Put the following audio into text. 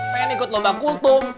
pengen ikut lombang kultum